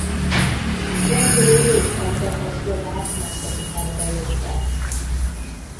Lakói részt vettek a szlovák nemzeti felkelésben.